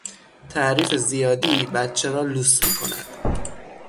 تعریف زیادی بچه را لوس می کند.